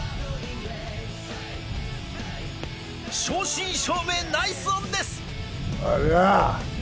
正真正銘ナイスオンです！